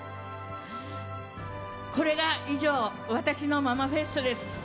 これが以上、私のママフェストです。